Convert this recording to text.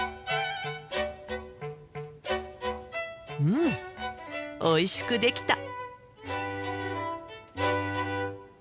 うんおいしくできた。